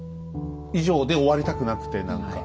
以上」で終わりたくなくて何か。